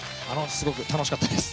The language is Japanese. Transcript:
すごく楽しかったです。